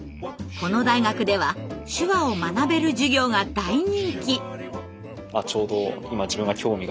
この大学では手話を学べる授業が大人気。